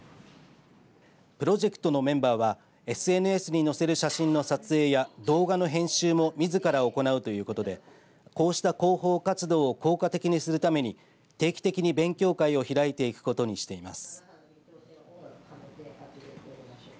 プロジェクトのメンバーはＳＮＳに載せる写真の撮影や動画の編集もみずから行うということでこうした広報活動を効果的にするために定期的に勉強会を開いていくことにしています。